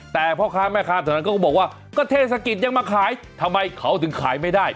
แต่พ่อค้าแม่ค้าแถวนั้นเขาก็บอกว่าก็เทศกิจยังมาขายทำไมเขาถึงขายไม่ได้